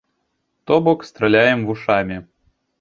То бок, страляем вушамі.